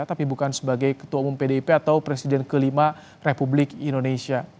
tapi bukan sebagai ketua umum pdip atau presiden kelima republik indonesia